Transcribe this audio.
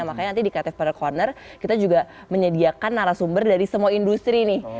makanya nanti di creative part corner kita juga menyediakan narasumber dari semua industri nih